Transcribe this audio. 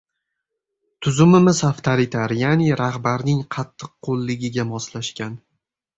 Tuzumimiz — avtoritar, ya’ni rahbarning qattiqqo‘lligiga moslashgan.